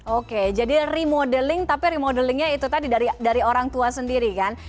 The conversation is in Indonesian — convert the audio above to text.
oke jadi remodeling tapi remodelingnya itu tadi dari orang tua sendiri kan